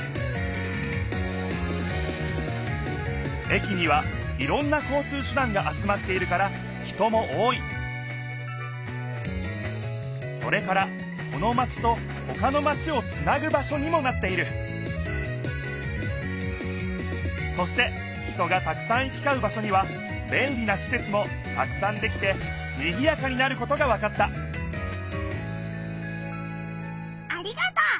駅にはいろんな交通手だんが集まっているから人も多いそれからこのマチとほかのマチをつなぐ場しょにもなっているそして人がたくさん行きかう場しょにはべんりなしせつもたくさんできてにぎやかになることがわかったありがとう！